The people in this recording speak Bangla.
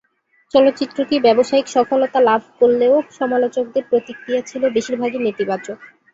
চলচ্চিত্রটি ব্যবসায়িক সফলতা লাভ করলেও সমালোচকদের প্রতিক্রিয়া ছিল বেশিরভাগই নেতিবাচক।